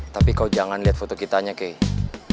tapi kau jangan liat foto kita kek